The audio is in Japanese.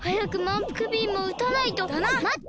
まって！